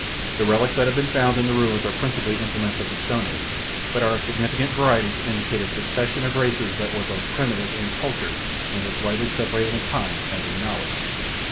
The relics that have been found in the ruins are principally implements of the stone age, but are of sufficient variety to indicate a succession of races that were both primitive and cultured and as widely separated in time as in knowledge.